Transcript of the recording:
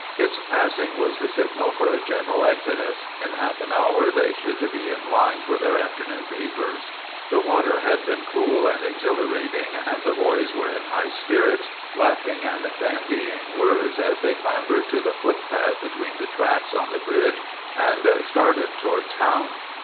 Its passing was the signal foil a general exodus; in half an hour they should be in line for their afternoon papers. The water had been cool and exhilarating and the boys were in high spirits, laughing and bandying words, as they clambered to the foot path between the tracks on the bridge and started toward town.